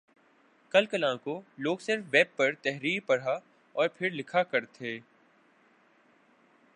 کل کلاں کو لوگ صرف ویب پر تحریر پڑھا اور پھر لکھا کر تھے